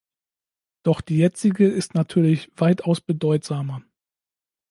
Doch die jetzige ist natürlich weitaus bedeutsamer.